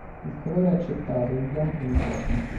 Il colore accettato è il bianco uniforme.